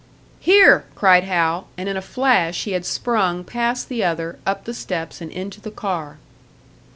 "Here!" cried Hal; and in a flash he had sprung past the other, up the steps and into the car.